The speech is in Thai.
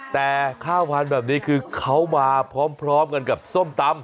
แต่ข้าวพันธุ์แบบนี้คือเขามาพร้อมกันกับส้มตำ